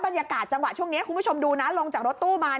บรรยากาศจังหวะช่วงนี้คุณผู้ชมดูนะลงจากรถตู้มา